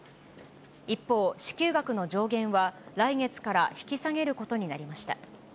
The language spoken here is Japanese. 一方、支給額の上限は来月から引き下げることになりました。